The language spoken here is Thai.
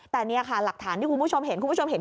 แต่นี่ค่ะหลักฐานที่คุณผู้ชมเห็น